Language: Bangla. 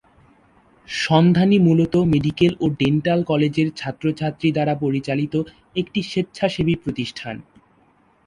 সন্ধানী মূলত মেডিকেল ও ডেন্টাল কলেজের ছাত্রছাত্রী দ্বারা পরিচালিত একটি স্বেচ্ছাসেবী প্রতিষ্ঠান।